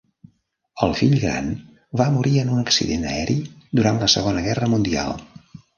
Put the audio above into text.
El fill gran va morir en un accident aeri durant la Segona Guerra Mundial.